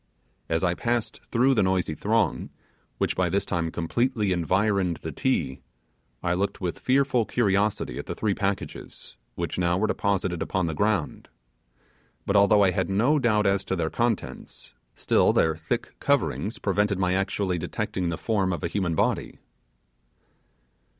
As I passed through the noisy throng, which by this time completely environed the Ti, I looked with fearful curiosity at the three packages, which now were deposited upon the ground; but although I had no doubt as to their contents, still their thick coverings prevented my actually detecting the form of a human body.